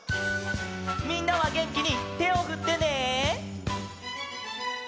みんなはげんきにてをふってね。